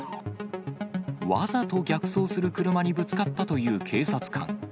わざと逆走する車にぶつかったという警察官。